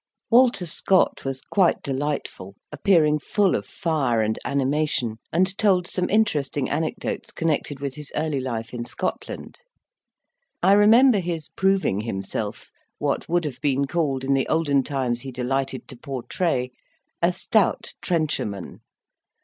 Walter Scott was quite delightful, appearing full of fire and animation, and told some interesting anecdotes connected with his early life in Scotland. I remember his proving himself, what would have been called in the olden times he delighted to portray, "a stout trencher man."